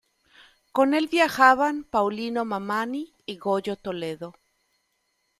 Con el viajaban Paulino Mamani y Goyo Toledo.